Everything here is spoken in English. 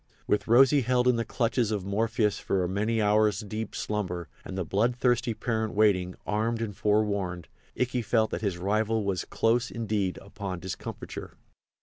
With Rosy held in the clutches of Morpheus for a many hours deep slumber, and the bloodthirsty parent waiting, armed and forewarned, Ikey felt that his rival was close, indeed, upon discomfiture.